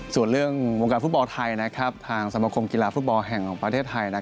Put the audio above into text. ส่วนเรื่องวงการฟุตบอลไทยทางสมคมกีฬาฟุตบอลแห่งของประเทศไทย